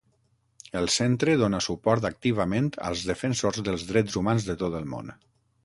El Centre dóna suport activament als defensors dels drets humans de tot el món.